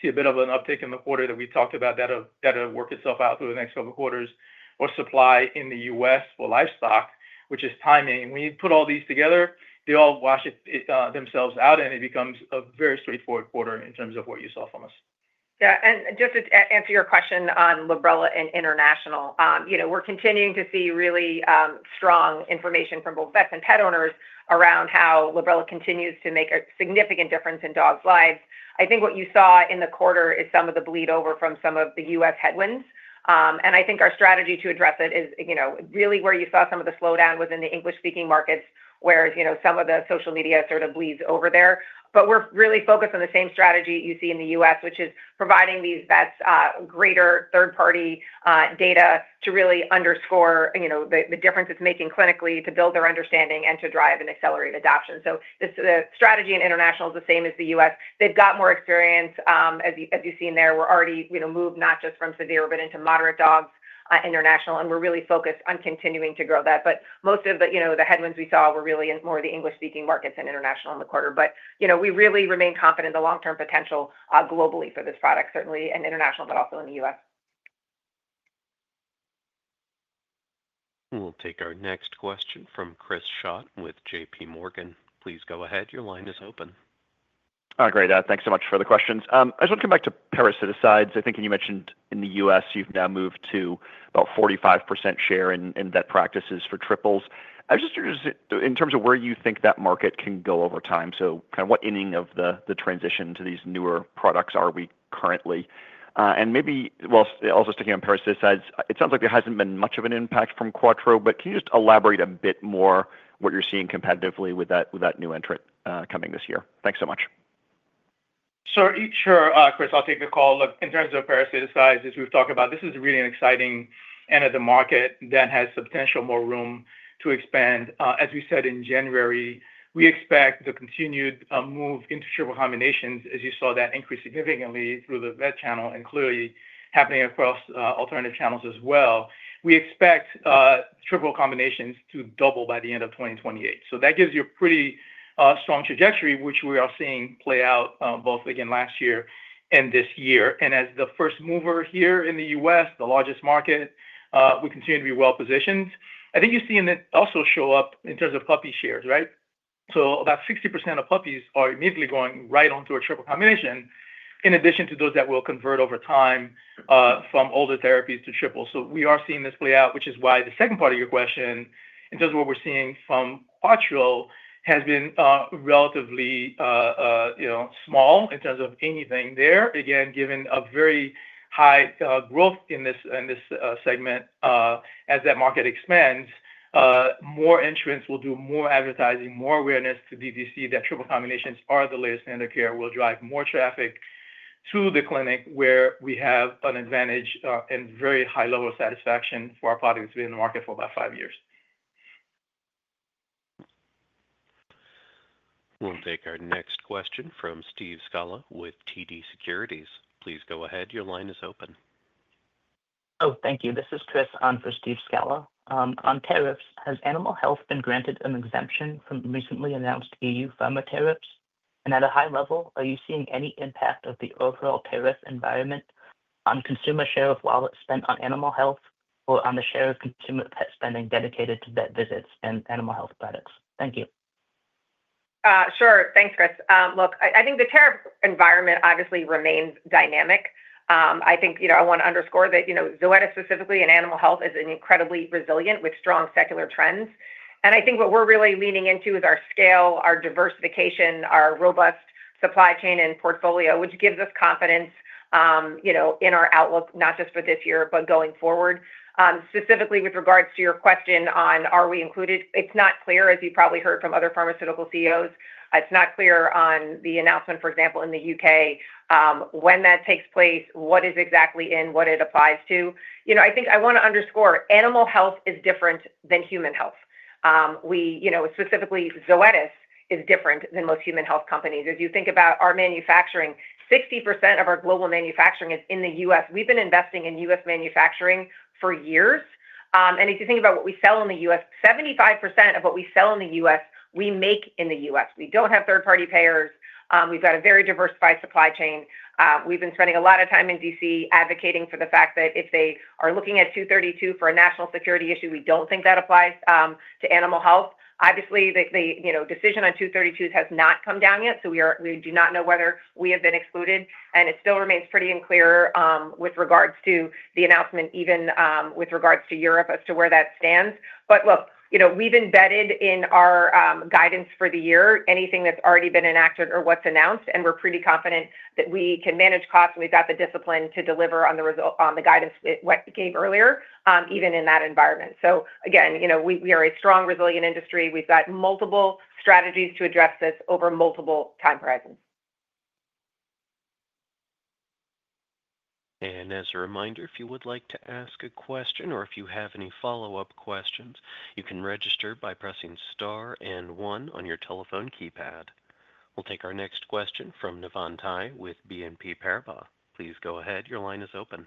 see a bit of an uptick in the quarter that we talked about, that'll work itself out through the next couple quarters, or supply in the U.S. for Livestock, which is timing, when you put all these together, they all wash themselves out and it becomes a very straightforward quarter in terms of what you saw from. Just to answer your question on Librela and international, we're continuing to see really strong information from both vet and pet owners around how Librela continues to make a strong, significant difference in dogs' lives. I think what you saw in the quarter is some of the bleed over from some of the U.S. headwinds. I think our strategy to address it is, you know, really where you saw some of the slowdown was in the English-speaking markets, whereas, you know, some of the social media sort of bleeds over there. We're really focused on the same strategy you see in the U.S., which is providing these vets greater third-party data to really underscore, you know, the difference it's making clinically to build their understanding and to drive and accelerate adoption. The strategy in international is the same as the U.S. They've got more experience as you've seen there. We're already moved not just from severe but into moderate dogs international and we're really focused on continuing to grow that. Most of the headwinds we saw were really more the English-speaking markets and international in the quarter. We really remain confident in the long-term potential globally for this product certainly in international, but also in the U.S. We'll take our next question from Chris Schott with JPMorgan. Please go ahead. Your line is open. Great. Thanks so much for the questions. I just want to come back to parasiticides. I think you mentioned in the U.S. you've now moved to about 45% share in vet practices for triples. I was just in terms of where you think that market can go over time. Kind of what inning of the transition to these newer products are we currently in, and maybe also sticking on parasiticides? It sounds like there hasn't been much of an impact from Quattro, can you just elaborate a bit more what you're seeing competitively with that new entrant coming this year. Thanks so much. Sure, Chris. I'll take a call. Look, in terms of parasitic size, as we've talked about, this is really an exciting end of the market that has the potential for more room to expand. As we said in January, we expect the continued move into triple combinations. You saw that increase significantly through the red channel and clearly happening across alternative channels as well. We expect triple combinations to double by the end of 2028. That gives you a pretty strong trajectory which we are seeing play out both again last year and this year. As the first mover here in the U.S., the largest market, we continue to be well positioned. I think you see it also show up in terms of puppy shares. Right. About 60% of puppies are immediately going right onto a triple combination in addition to those that will convert over time from older therapies to triples. We are seeing this play out, which is why the second part of your question in terms of what we're seeing from Quattro has been relatively small in terms of anything there. Given a very high growth in this segment as that market expands, more entrants will do more advertising, more awareness to DTC that triple combinations are the latest and the care will drive more traffic to the clinic where we have an advantage and very high level of satisfaction for our products to be in the market for about five years. We'll take our next question from Steve Scala with TD Securities. Please go ahead. Your line is open. Thank you. This is Chris on for Steve Scala. On tariffs, has animal health been granted an exemption from recently announced E.U. pharma tariffs? At a high level, are you seeing any impact of the overall tariff environment on consumer share of wallet spent on animal health, on the share of consumer pet spending dedicated to vet visits and animal health plans? Thank you. Sure. Thanks, Chris. Look, I think the tariff environment obviously remains dynamic. I want to underscore that specifically animal health is incredibly resilient with strong secular trends. I think what we're really leaning into is our scale, our diversification, our robust supply chain and portfolio, which gives us confidence in our outlook not just for this year but going forward. Specifically with regards to your question on are we included, it's not clear, as you probably heard from other pharmaceutical CEOs, it's not clear on the announcement, for example in the U.K. when that takes place, what is exactly in what it applies to. I want to underscore animal health is different than human health. Specifically, Zoetis is different than most human health companies. If you think about our manufacturing, 60% of our global manufacturing is in the U.S. We've been investing in U.S. manufacturing for years. If you think about what we sell in the U.S., 75% of what we sell in the U.S. we make in the U.S. We don't have third party payers. We've got a very diversified supply chain. We've been spending a lot of time in D.C. advocating for the fact that if they are looking at 232 for a national security issue, we don't think that applies to animal health. Obviously, the decision on 232 has not come down yet. We do not know whether we have been excluded. It still remains pretty unclear with regards to the announcement, even with regards to Europe as to where that stands. We've embedded in our guidance for the year anything that's already been enacted or what's announced and we're pretty confident that we can manage costs. We've got the discipline to deliver on the result on the guidance we gave earlier even in that environment. Again, we are a strong resilient industry. We've got multiple strategies to address this over multiple time horizons. As a reminder, if you would like to ask a question or if you have any follow up questions, you can register by pressing star and one on your telephone keypad. We'll take our next question from Navann Ty with BNP Paribas. Please go ahead. Your line is open.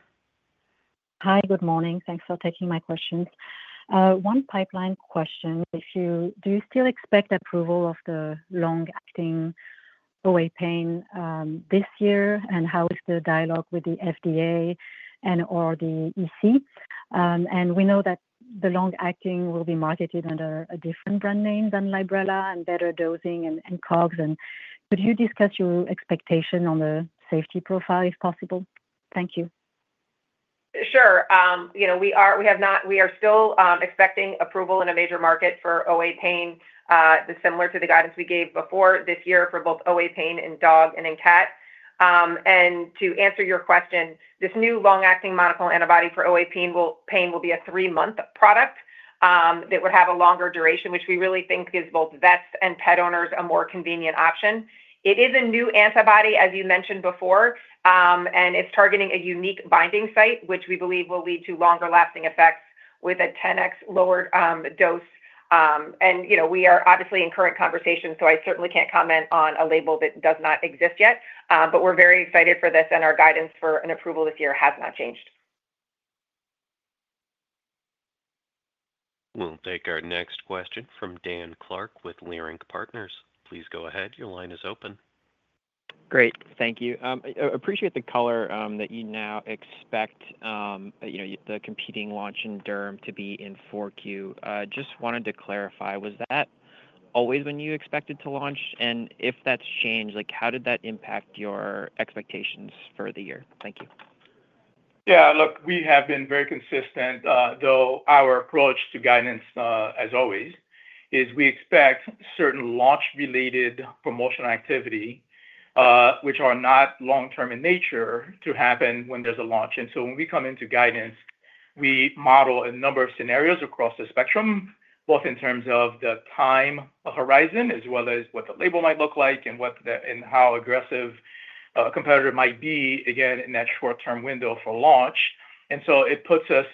Hi, good morning, thanks for taking my questions. One pipeline question. Do you still expect approval of the long-acting pain this year? How is the dialogue with the FDA and or the EC? We know that the long-acting will be marketed under a different brand name than Librela and better dosing and COGS. Could you discuss your expectation on the safety profile if possible? Thank you. Sure. We are still expecting approval in a major market for OA pain similar to the guidance we gave before this year for both OA pain in dog and in cat. To answer your question, this new long-acting monoclonal antibody for OA pain will be a three-month product that would have a longer duration, which we really think gives both vets and pet owners a more convenient option. It is a new antibody as you mentioned before, and it's targeting a unique binding site, which we believe will lead to longer-lasting effects with a 10x lowered dose. We are obviously in current conversation, so I certainly can't comment on a label that does not exist yet. We're very excited for this, and our guidance for an approval this year has not changed. We'll take our next question from Dan Clark with Leerink Partners. Please go ahead. Your line is open. Great, thank you. Appreciate the color that you now expect. You know the competing launch in Derm to be in 4Q. Just wanted to clarify, was that always when you expected to launch and if that's changed like how did that impact your expectations for the year? Thank you. Yeah, look, we have been very consistent though. Our approach to guidance as always is we expect certain launch related promotional activity, which are not long term in nature, to happen when there's a launch. When we come into guidance, we model a number of scenarios across the spectrum both in terms of the time horizon as well as what the label might look like and how aggressive a competitor might be again in that short term window for launch. It puts us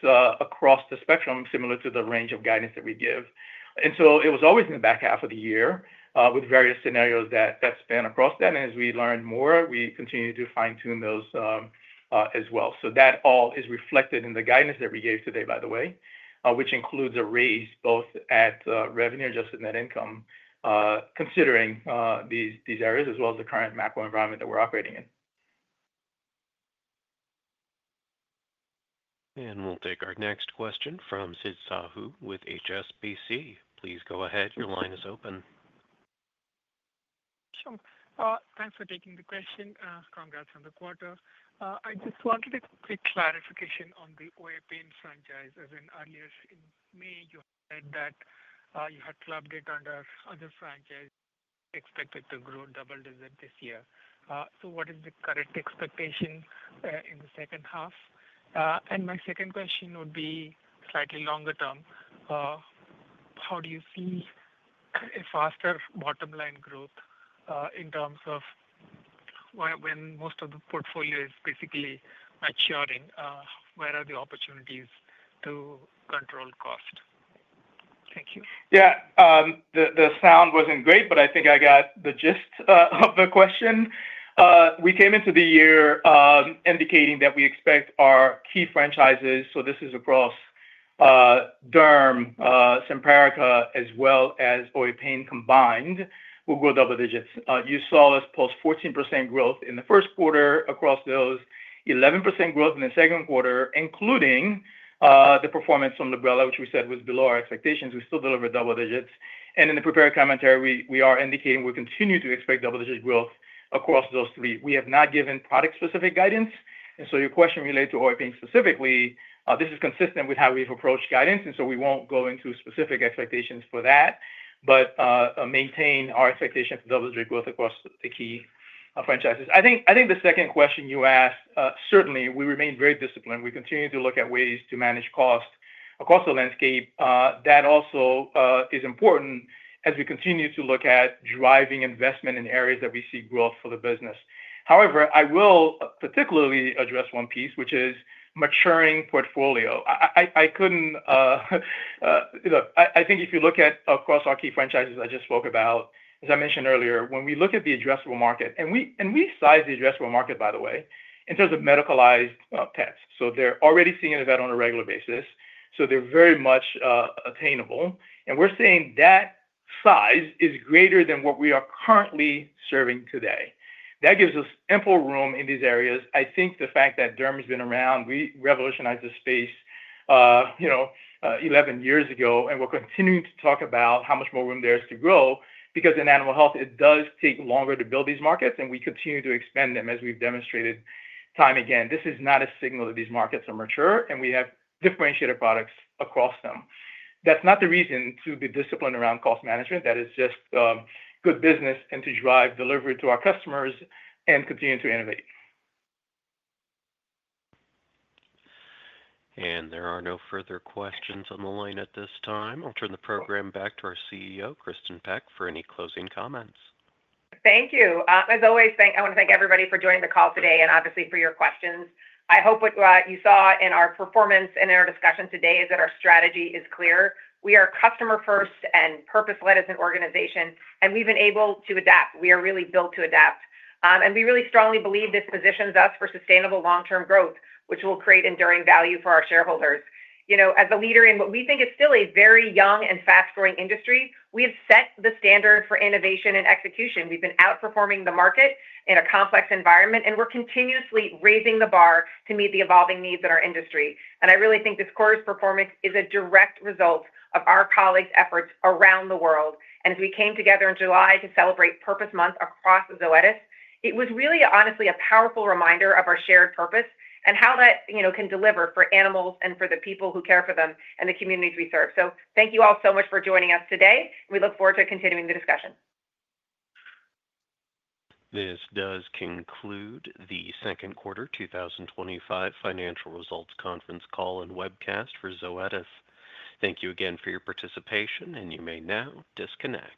across the spectrum similar to the range of guidance that we give. It was always in the back half of the year with various scenarios that span across that. As we learn more, we continue to fine tune those as well. That all is reflected in the guidance that we gave today, by the way, which includes a raise both at revenue, adjusted net income, considering these areas as well as the current macro environment that we're operating in. We'll take our next question from Sid Sahoo with HSBC. Please go ahead. Your line is open. Sure. Thanks for taking the question. Congrats on the quarter. I just wanted a quick clarification on the OA pain franchise as in earlier in May you said that you had clubbed it under other franchise expected to grow double digit this year. What is the correct expectation in the second half? My second question would be slightly longer term, how do you see a faster bottom line growth in terms of when most of the portfolio is basically maturing, where are the opportunities to control cost? Thank you. Yeah, the sound wasn't great, but I think I got the gist of the question. We came into the year indicating that we expect our key franchises, so this is across Derm, Simparica as well as OA pain combined, will go double digits. You saw us post 14% growth in the first quarter. Across those, 11% growth in the second quarter, including the performance from Librela, which we said was below our expectations, we still deliver double digits. In the prepared commentary, we are indicating we continue to expect double digit growth across those three. We have not given product specific guidance. Your question related to OA pain specifically, this is consistent with how we've approached guidance and we won't go into specific expectations for that but maintain our expectation for double digit growth across the key franchises. I think the second question you asked, certainly we remain very disciplined. We continue to look at ways to manage cost across the landscape. That also is important as we continue to look at driving investment in areas that we see growth for the business. However, I will particularly address one piece, which is maturing portfolio. I couldn't look. I think if you look at across our key franchises I just spoke about, as I mentioned earlier, when we look at the addressable market and we size the addressable market, by the way, in terms of medicalized tests, so they're already seeing that on a regular basis. They're very much attainable. We're saying that size is greater than what we are currently serving today. That gives us ample room in these areas. The fact that Derm has been around, we revolutionized the space, you know, 11 years ago and we're continuing to talk about how much more room there is to grow because in animal health it does take longer to build these markets and we continue to expand them as we've demonstrated time again. This is not a signal that these markets are mature and we have differentiated products across them. That's not the reason to be disciplined around cost management. That is just good business and to drive delivery to our customers and continue to innovate. There are no further questions on the line at this time. I'll turn the program back to our CEO Kristin Peck for any closing comments. Thank you. As always, I want to thank everybody for joining the call today and obviously for your questions. I hope what you saw in our performance and in our discussion today is that our strategy is clear. We are customer first and purpose led as an organization, and we've been able to adapt. We are really built to adapt, and we really strongly believe this positions us for sustainable long term growth, which will create enduring value for our shareholders. You know, as a leader in what we think is still a very young and fast growing industry, we have set the standard for innovation and execution. We've been outperforming the market in a complex environment, and we're continuously raising the bar to meet the evolving needs in our industry. I really think this quarter's performance is a direct result of our colleagues' efforts around the world. As we came together in July to celebrate Purpose Month across Zoetis, it was really honestly a powerful reminder of our shared purpose and how that, you know, can deliver for animals and for the people who care for them and the communities we serve. Thank you all so much for joining us today. We look forward to continuing the discussion. This does conclude the second quarter 2025 financial results conference call and webcast for Zoetis. Thank you again for your participation, and you may now disconnect.